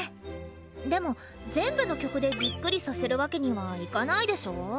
でも全部の曲でびっくりさせるわけにはいかないでしょ。